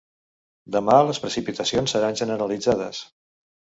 Demà les precipitacions seran generalitzades.